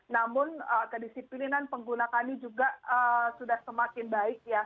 namun kedisiplinan pengguna kami juga sudah semakin baik ya